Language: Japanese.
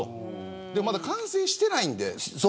でも、まだ完成してないので。